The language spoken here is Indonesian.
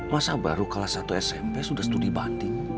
masa baru kelas satu smp sudah studi banting